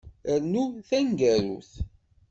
Rnu taneggarut.